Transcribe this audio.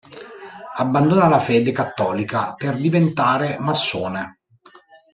Abbandona la fede cattolica per diventare massone.